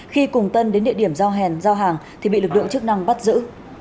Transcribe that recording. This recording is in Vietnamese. khi cùng tân đến địa điểm giao hèn giao hàng thì bị lực lượng chức năng bắt giữ